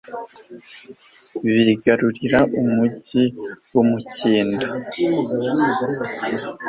bigarurira umugi w'imikindo